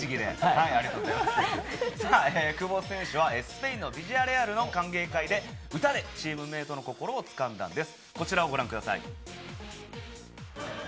久保選手はスペインのビジャレアルの歓迎会で歌でチームメートの心を掴んだんです。